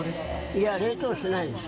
いや、冷凍はしないです。